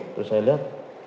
terus saya lihat